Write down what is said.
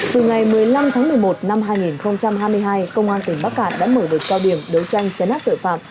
từ ngày một mươi năm tháng một mươi một năm hai nghìn hai mươi hai công an tỉnh bắc cạn đã mở đợt cao điểm đấu tranh chấn áp tội phạm